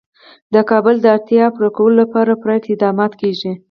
د کابل د اړتیاوو پوره کولو لپاره پوره اقدامات کېږي.